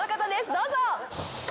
どうぞ。